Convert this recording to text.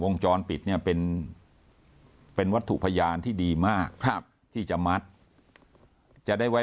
วงจรปิดเนี่ยเป็นเป็นวัตถุพยานที่ดีมากครับที่จะมัดจะได้ไว้